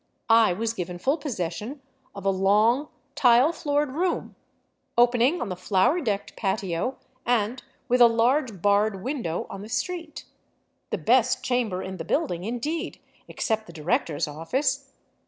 I was given full possession of a long, tile floored room, opening on the flower decked patio and with a large barred 298 DRAWBACKS OF THE TRAIL window on the street ; the best chamber in the building, indeed, except the. director's office.